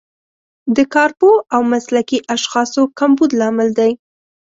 د کارپوه او مسلکي اشخاصو کمبود لامل دی.